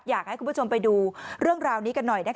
อยากให้คุณผู้ชมไปดูเรื่องราวนี้กันหน่อยนะคะ